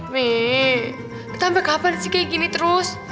wih kita sampe kapan sih kayak gini terus